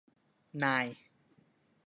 นาย